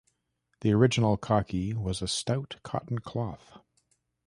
The original khaki was a stout cotton cloth